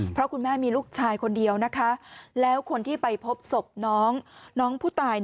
เพราะคุณแม่มีลูกชายคนเดียวนะคะแล้วคนที่ไปพบศพน้องผู้ตาย